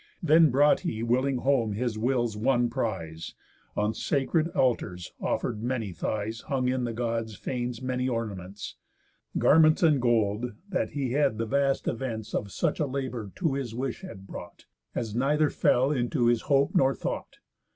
Then brought he willing home his will's won prize, On sacred altars offer'd many thighs, Hung in the God's fanes many ornaments, Garments and gold, that he the vast events Of such a labour to his wish had brought, As neither fell into his hope nor thought.